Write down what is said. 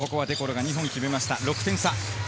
ここはデ・コロが２本決めました、６点差。